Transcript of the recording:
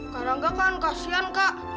karangga kan kasihan kak